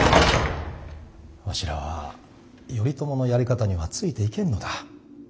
わしらは頼朝のやり方にはついていけんのだ。